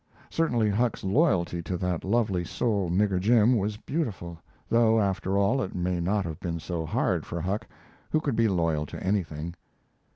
Certainly Huck's loyalty to that lovely soul Nigger Jim was beautiful, though after all it may not have been so hard for Huck, who could be loyal to anything.